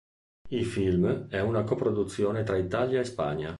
Il film è una coproduzione tra Italia e Spagna.